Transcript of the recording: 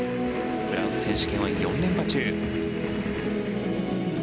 フランス選手権は４連覇中。